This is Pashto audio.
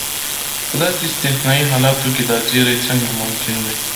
په داسې استثنایي حالتو کې دا زیری څنګه ممکن دی.